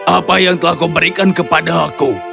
apa yang telah kau berikan kepada aku